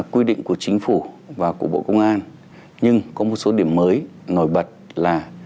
quy định của chính phủ và của bộ công an nhưng có một số điểm mới nổi bật là